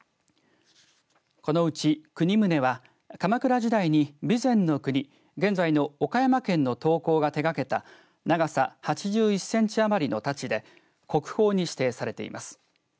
このうち国宗は鎌倉時代に備前国現在の岡山県の刀工が手がけた長さ８１センチ余りの太刀で国宝に指定されています。